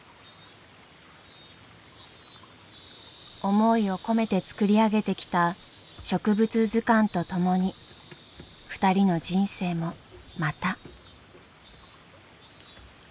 思いを込めて作り上げてきた植物図鑑と共に２人の人生もまた。